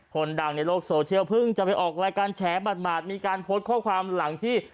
คนดังในโลกโซเชียลเพิ่งจะไปออกรายการแฉบาดมีการโพสต์ข้อความหลังที่